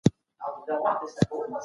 چې موږ هم کولای شو سیالي وکړو.